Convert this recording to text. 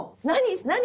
何？